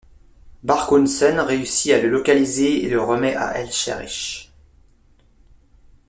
Barkhausen réussit à le localiser et le remet à Escherich.